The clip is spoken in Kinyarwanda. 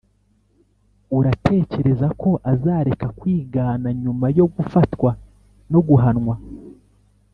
uratekereza ko azareka kwigana nyuma yo gufatwa no guhanwa?